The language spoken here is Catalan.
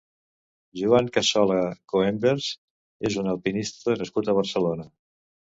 Joan Cassola Coenders és un alpinista nascut a Barcelona.